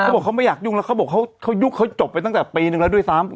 เขาบอกเขาไม่อยากยุ่งแล้วเขาบอกเขายุ่งเขาจบไปตั้งแต่ปีนึงแล้วด้วยซ้ำ